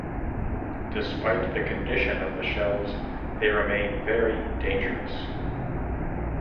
Despite the condition of the shells, they remain very dangerous.